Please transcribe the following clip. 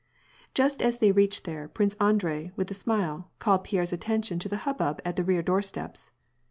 Just as they reached there, Prince Andrei, with a smile, called Pierre's attention to the hubbub at the rear doorsteps.